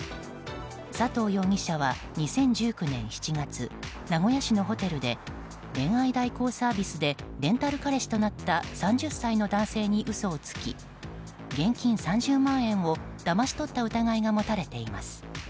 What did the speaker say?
佐藤容疑者は２０１９年７月名古屋市のホテルで恋愛代行サービスでレンタル彼氏となった３０歳の男性に嘘をつき現金３０万円をだまし取った疑いが持たれています。